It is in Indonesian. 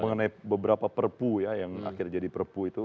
mengenai beberapa perpu ya yang akhirnya jadi perpu itu